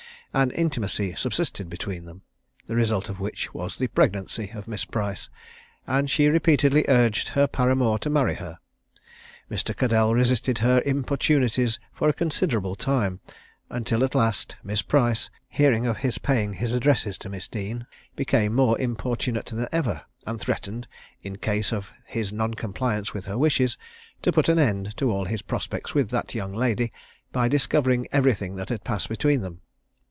An intimacy subsisted between them, the result of which was the pregnancy of Miss Price; and she repeatedly urged her paramour to marry her. Mr. Caddell resisted her importunities for a considerable time, until at last Miss Price, hearing of his paying his addresses to Miss Dean, became more importunate than ever, and threatened, in case of his non compliance with her wishes, to put an end to all his prospects with that young lady, by discovering everything that had passed between them.